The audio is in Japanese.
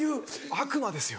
悪魔ですよ。